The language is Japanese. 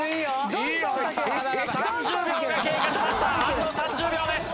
あと３０秒です！